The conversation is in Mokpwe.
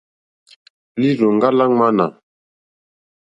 Lírzòŋɡá lá ŋwánà.